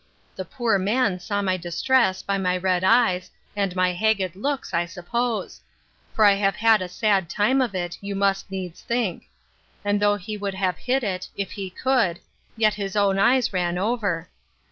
The poor man saw my distress, by my red eyes, and my hagged looks, I suppose; for I have had a sad time of it, you must needs think; and though he would have hid it, if he could, yet his own eyes ran over.